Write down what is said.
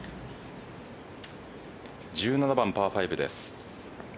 １７番パー５です。